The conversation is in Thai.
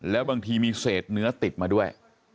แล้วบางทีมีเศษเนื้อติดมาด้วย